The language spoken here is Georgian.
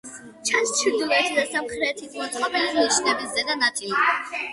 ჩანს ჩრდილოეთით და სამხრეთით მოწყობილი ნიშების ზედა ნაწილი.